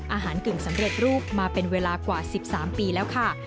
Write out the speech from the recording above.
กึ่งสำเร็จรูปมาเป็นเวลากว่า๑๓ปีแล้วค่ะ